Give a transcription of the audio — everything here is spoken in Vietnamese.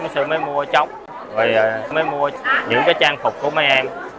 sư mới mua trống mới mua những cái trang phục của mẹ em